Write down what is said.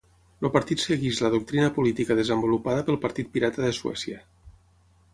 El partit segueix la doctrina política desenvolupada pel Partit Pirata de Suècia.